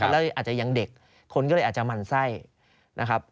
แล้วอาจจะยังเด็กคนก็เลยอาจจะหมั่นไส้นะครับ